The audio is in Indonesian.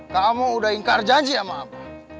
kamu udah ingkar janji sama apa